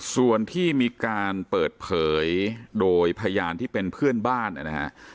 ส่วนที่มีการเปิดเผยโดยพยานที่เป็นเพื่อนบ้านนะฮะ